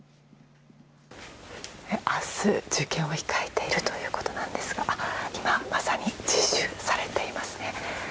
明日、受験を控えているということなんですが今まさに自習されていますね。